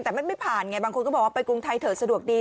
แต่มันไม่ผ่านไงบางคนก็บอกว่าไปกรุงไทยเถอะสะดวกดี